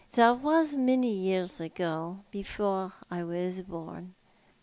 " That was many years ago, before I was born.